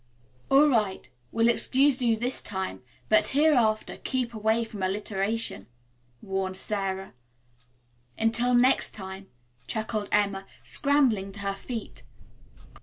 "All right, we'll excuse you this time, but, hereafter, keep away from alliteration," warned Sara. "Until next time," chuckled Emma, scrambling to her feet.